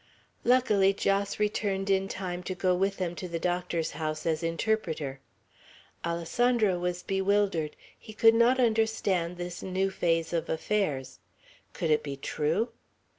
Luckily Jos returned in time to go with them to the doctor's house as interpreter. Alessandro was bewildered. He could not understand this new phase of affairs, Could it be true?